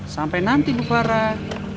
sampai nanti bu farah